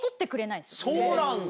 そうなんだ。